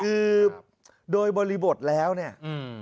คือโดยบริบทแล้วเนี่ยอืม